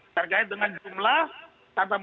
terkait dengan jumlah tanpa muka lima puluh